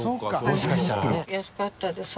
安かったでさ。